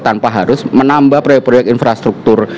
tanpa harus menambah proyek proyek infrastruktur